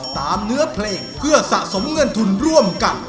เนื้อเพลงเพื่อสะสมเงินทุนร่วมกัน